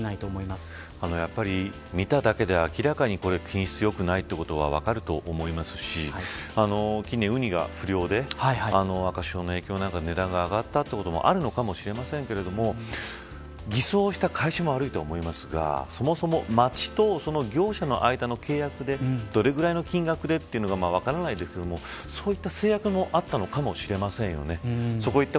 やっぱり見ただけで明らかに品質良くないということが分かると思いますし近年、ウニが不漁で赤潮の影響何かで値段が上がったこともあるのかもしれませんが偽装した会社も悪いと思いますがそもそも町と業者の間の契約でどれぐらいの金額でというのが分からないですがそういった制約もあったのかもしれませんよね。